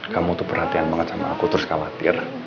kamu tuh perhatian banget sama aku terus khawatir